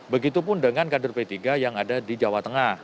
begitupun dengan kader p tiga yang ada di jawa tengah